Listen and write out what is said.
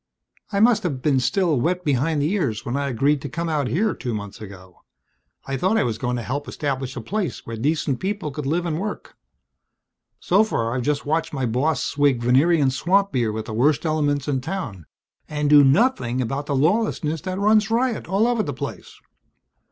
"I must have been still wet behind the ears when I agreed to come out here two months ago. I thought I was going to help establish a place where decent people could live and work. So far I've just watched my boss swig Venerian swamp beer with the worst elements in town, and do nothing about the lawlessness that runs riot all over the place."